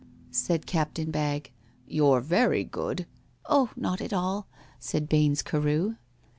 Said CAPTAIN BAGG, "You're very good." "Oh, not at all," said BAINES CAREW.